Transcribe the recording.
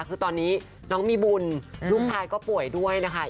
คือตอนนี้น้องมีบุญลูกชายก็ป่วยด้วยนะคะ